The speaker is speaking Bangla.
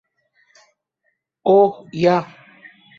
ওহ, ইয়াহ।